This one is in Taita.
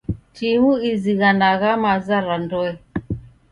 Timu izighanagha maza ra ndoe.